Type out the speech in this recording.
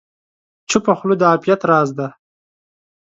چپه خوله، د عافیت راز دی.